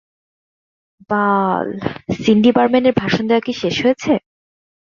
বাল, Cindy Barman এর ভাষণ দেয়া কি শেষ হয়েছে?